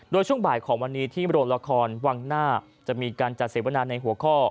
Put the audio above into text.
โดยช่วงบ่ายของวันนี้ที่โรงละครวังหน้าจะมีการจัดเสวนาในหัวข้อ